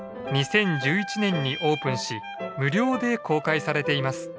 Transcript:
２０１１年にオープンし無料で公開されています。